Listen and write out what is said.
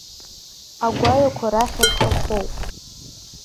Агәаҩақәа рахь рхы хоуп.